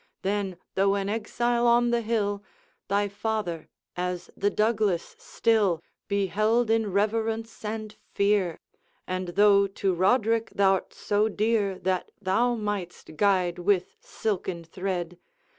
Then, though an exile on the hill, Thy father, as the Douglas, still Be held in reverence and fear; And though to Roderick thou'rt so dear That thou mightst guide with silken thread.